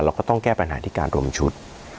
ก็ต้องแก้ปัญหาที่การรวมชุด